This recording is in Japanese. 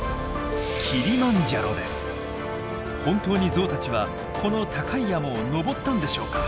本当にゾウたちはこの高い山を登ったんでしょうか？